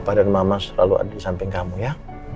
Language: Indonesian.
bapak dan mama selalu ada di samping kamu ya